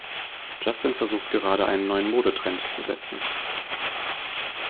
Justin versucht gerade, einen neuen Modetrend zu setzen.